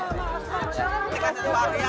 ini kasetnya baru ya